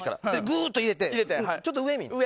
ぐーっと入れてちょっと上見る。